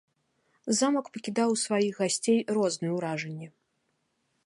Замак пакідаў у сваіх гасцей розныя ўражанні.